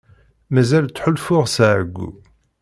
Mazal ttḥulfuɣ s ɛeyyu.